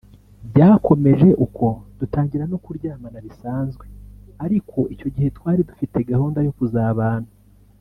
Byakomeje uko dutangira no kuryamana bisanzwe ariko icyo gihe twari dufite gahunda yo kuzabana